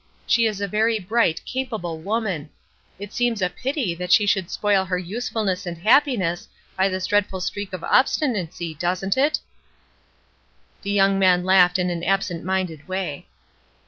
She is a very bright, capable woman; it seems a pity that she should spoil her usefulness and happiness by this dreadful streak of obstinacy, doesn't it?" The young man laughed in an absent minded way.